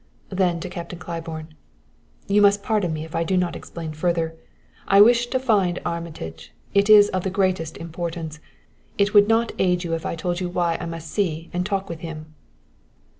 Then to Captain Claiborne: "You must pardon me if I do not explain further. I wish to find Armitage; it is of the greatest importance. It would not aid you if I told you why I must see and talk with him."